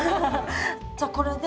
じゃこれで。